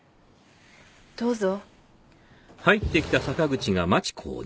どうぞ。